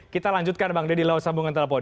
kita lanjutkan bang deddy lewat sambungan telepon